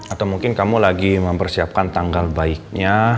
atau mungkin kamu lagi mempersiapkan tanggal baiknya